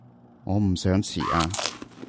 我唔想遲啊